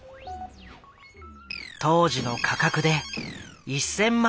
当時の価格で１，０００万